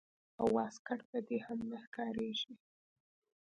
او واسکټ به دې هم نه ښکارېږي.